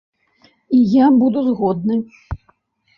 І я буду згодны.